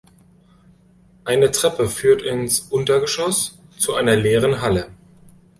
Eine Treppe führt ins Untergeschoss zu einer leeren Halle.